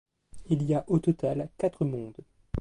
Il y a au total quatre mondes.